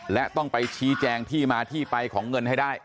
และต้องไปชี้แจงที่มาที่ไปของเงินให้ได้